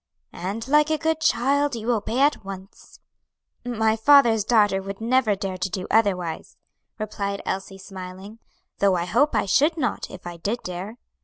"And like a good child, you obey at once." "My father's daughter would never dare to do otherwise," replied Elsie, smiling; "though I hope I should not, if I did dare."